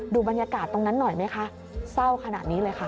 บรรยากาศตรงนั้นหน่อยไหมคะเศร้าขนาดนี้เลยค่ะ